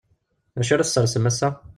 D acu ara tessersem ass-a?